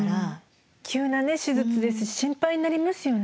急なね手術ですし心配になりますよね。